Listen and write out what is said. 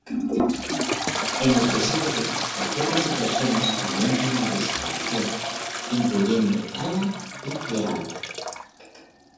En el presente, objetos y personas comienzan a desaparecer, incluyendo Vala y Teal'c.